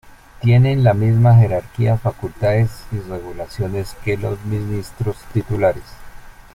Tienen la misma jerarquía, facultades y regulaciones que los ministros titulares.